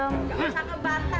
jangan sampai bantar